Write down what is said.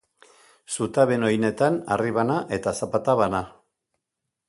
Zutabeen oinetan, harri bana eta zapata bana.